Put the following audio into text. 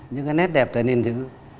những cái nét đẹp ta nên giữ